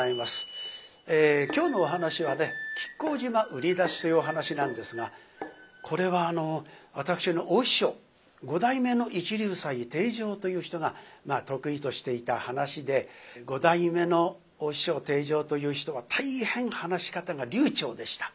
今日のお噺は「亀甲縞売出し」というお噺なんですがこれは私の大師匠五代目の一龍斎貞丈という人が得意としていた噺で五代目の大師匠貞丈という人は大変話し方が流ちょうでした。